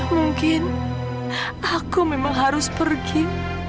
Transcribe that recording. mungkin aku memang harus pergi